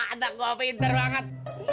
anak gua pinter banget